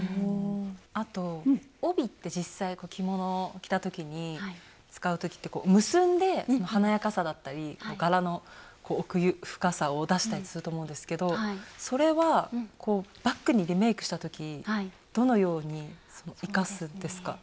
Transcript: あと帯って実際着物を着た時に使う時って結んで華やかさだったり柄の奥深さを出したりすると思うんですけどそれはこうバッグにリメイクした時どのように生かすんですか？